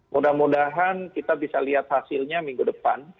mudah mudahan kita bisa lihat hasilnya minggu depan